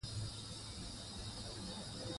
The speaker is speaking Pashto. ازادي راډیو د هنر په اړه په ژوره توګه بحثونه کړي.